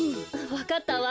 わかったわ。